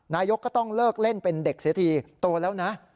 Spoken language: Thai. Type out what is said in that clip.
นายกก็ต้องเลิกเล่นเป็นเด็กเสียทีโตแล้วนะ